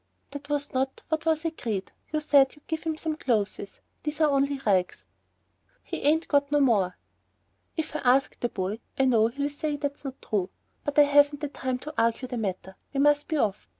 "That was not what was agreed; you said you'd give some clothes. These are only rags." "He ain't got no more." "If I ask the boy I know he'll say that's not true. But I haven't the time to argue the matter. We must be off.